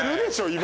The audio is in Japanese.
今。